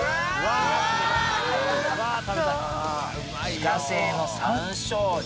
自家製の山椒塩。